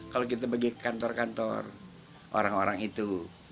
kalau kita pergi ke kantor kantor orang orang itu